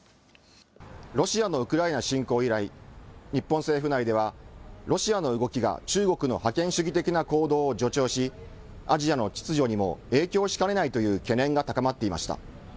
ロシアのウクライナ侵攻以来、日本政府内では、ロシアの動きが、中国の覇権主義的な行動を助長し、アジアの秩序にも影響しかねないという懸念が高まっていました。